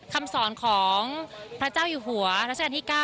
คำสอนของพระเจ้าอยู่หัวรัชกาลที่๙